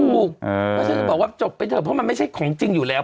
เพราะฉะนั้นจะบอกว่าจบไปเถอะเพราะมันไม่ใช่ของจริงอยู่แล้ว